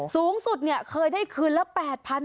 สูงสุดเนี่ยเคยได้คืนละ๘๐๐๐บาท